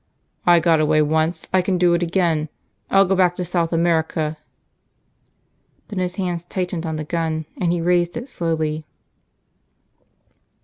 "I got away once. I can do it again. I'll go back to South America." Then his hands tightened on the gun, and he raised it slowly.